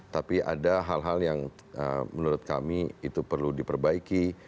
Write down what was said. tapi ada hal hal yang menurut kami itu perlu diperbaiki